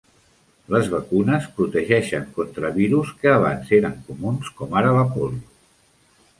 Les vacunes protegeixen contra virus que abans eren comuns, com ara la pòlio.